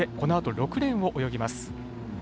このあと６レーンを泳ぎます。